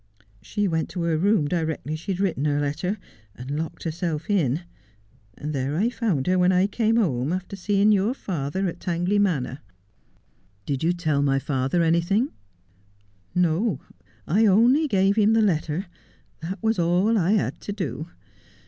She went to her room directly she had written her letter, and locked herself in, and there I found her when I came home, aftir seeing your father at Tangley Manor.' ' Did you tell my father anything 1 '' No, I only gave him the letter. That was all I had to do.